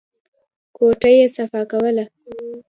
کوټه يې صفا کوله.